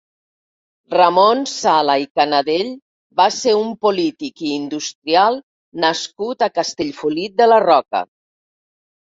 Ramon Sala i Canadell va ser un polític i industrial nascut a Castellfollit de la Roca.